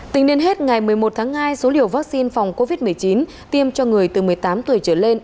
tính đến hết ngày một mươi một tháng hai số liều vaccine phòng covid một mươi chín tiêm cho người từ một mươi tám tuổi trở lên